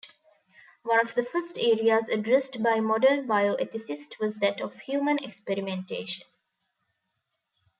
One of the first areas addressed by modern bioethicists was that of human experimentation.